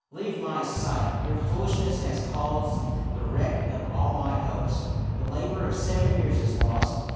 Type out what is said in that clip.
" Leave my sight ! Your foolishness has caused the wreck of all my hopes. The labor of seven years is lost.